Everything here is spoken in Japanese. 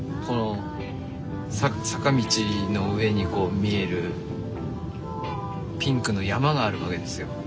この坂道の上にこう見えるピンクの山があるわけですよ。